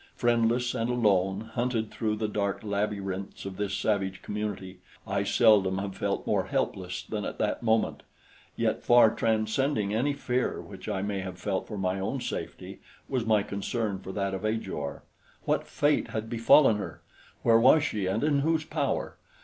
Friendless and alone, hunted through the dark labyrinths of this savage community, I seldom have felt more helpless than at that moment; yet far transcending any fear which I may have felt for my own safety was my concern for that of Ajor. What fate had befallen her? Where was she, and in whose power?